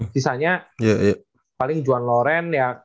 sisanya paling juang loren ya